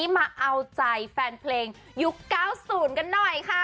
มาเอาใจแฟนเพลงยุค๙๐กันหน่อยค่ะ